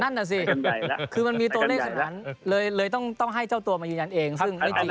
นั่นน่ะสิคือมันมีตัวเลขขนาดนั้นเลยต้องให้เจ้าตัวมายืนยันเองซึ่งไม่จริง